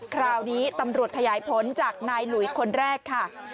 คราวนี้ตำรวจขยายผลจากนายหลุยคนแรกค่ะ